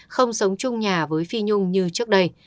không sống chung nhà với phi nhung như trước đây